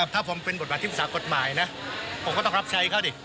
ถ้าผมเป็นบทบาทที่ปรึกษากฎหมายนะผมก็ต้องรับใช้เขาดิ